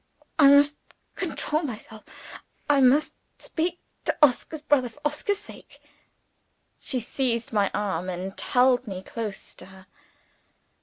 _) I must control myself. I must speak to Oscar's brother, for Oscar's sake." She seized my arm and held me close to her.